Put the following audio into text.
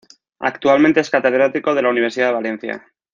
Actualmente es catedrático de la Universidad de Valencia.